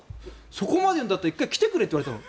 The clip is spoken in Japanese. そこまで言うんだったら１回来てくれって言われたの。